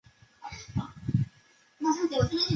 圆叶兔尾草为豆科兔尾草属下的一个种。